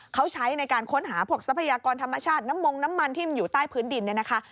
เขาใช้ในการค้นหาพวกทรัพยากรธรรมชาติน้ำมงน้ำมันที่มันอยู่ใต้พื้นดินเนี่ยนะคะ